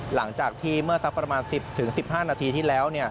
หลังจากที่เมื่อสักประมาณ๑๐๑๕นาทีที่แล้ว